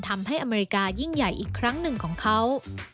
อเมริกายิ่งใหญ่อีกครั้งหนึ่งของเขา